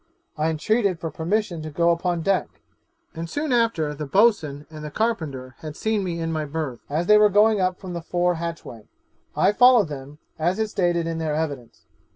I entreated for permission to go upon deck; and soon after the boatswain and carpenter had seen me in my berth, as they were going up the fore hatchway, I followed them, as is stated in their evidence.